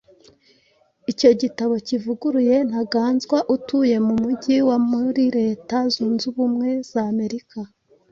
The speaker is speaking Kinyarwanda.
Icyo gitabo kivuguruye, Ntaganzwa utuye mu Mujyi wa muri Leta zunze ubumwe za Amerika,